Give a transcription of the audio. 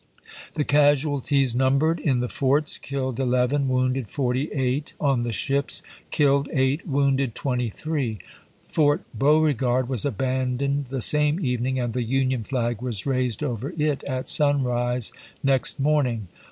The casualties numbered: in the forts, killed eleven, wounded forty eight; on the ships, killed eight, wounded twenty three. Fort Beauregard was abandoned the same evening, and the Union flag was raised over it at sunrise next morning.